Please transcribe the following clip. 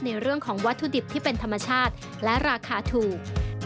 ในเรื่องของวัตถุดิบที่เป็นธรรมชาติและราคาถูก